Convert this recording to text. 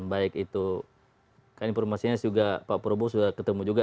baik itu kan informasinya juga pak prabowo sudah ketemu juga